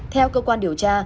theo cơ quan điều tra